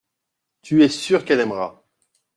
Tu es sûr qu’elle aimera.